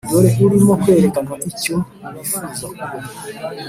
dore urimo kwerekana icyo bifuza kuba.